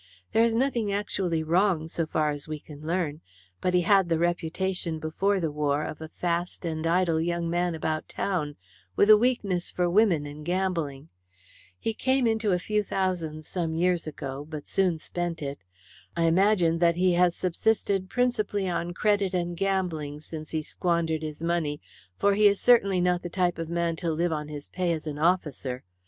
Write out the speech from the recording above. There is nothing actually wrong so far as we can learn, but he had the reputation, before the war, of a fast and idle young man about town, with a weakness for women and gambling. He came into a few thousands some years ago, but soon spent it. I imagine that he has subsisted principally on credit and gambling since he squandered his money, for he is certainly not the type of man to live on his pay as an officer.